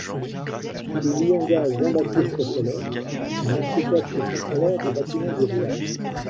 Il y engage Jean-Baptiste Collet, un architecte et contrôleur des bâtiments du roi.